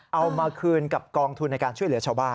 เอามาคืนกับกองทุนในการช่วยเหลือชาวบ้าน